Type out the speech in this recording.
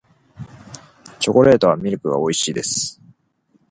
チョコレートはミルクが美味しいです